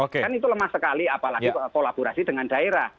kan itu lemah sekali apalagi kolaborasi dengan daerah